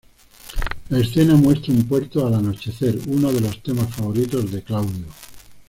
La escena muestra un puerto al anochecer, uno de los temas favoritos de Claudio.